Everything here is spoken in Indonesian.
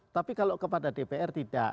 tapi kalau kepada dpr tidak